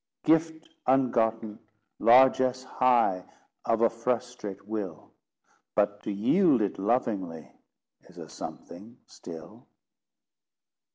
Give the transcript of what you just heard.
Gift ungotten! largess high Of a frustrate will! But to yield it lovingly Is a something still.